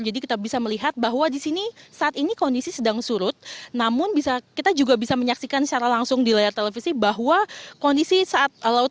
jadi kita bisa melihat bahwa di sini saat ini kondisi sedang surut namun kita juga bisa menyaksikan secara langsung di layar televisi bahwa kondisi saat laut